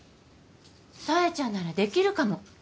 紗英ちゃんならできるかも。